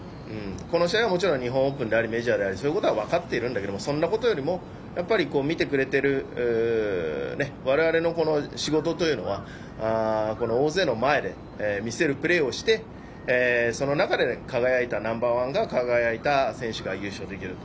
この試合はもちろん日本オープンでありメジャーでありそういうことは分かっているんだけどもそんなことよりもやっぱり見てくれている我々の仕事というのは大勢の前で、見せるプレーをしてその中で輝いたナンバーワン輝いた選手が優勝できると。